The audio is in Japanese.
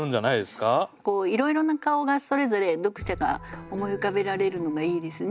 いろいろな顔がそれぞれ読者が思い浮かべられるのがいいですね。